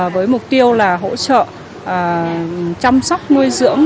với mục tiêu là hỗ trợ chăm sóc nuôi dưỡng